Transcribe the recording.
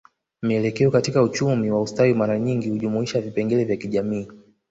Mielekeo katika uchumi wa ustawi mara nyingi hujumuisha vipengele vya kijamii